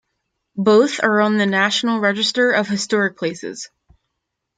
Both are on the National Register of Historic Places.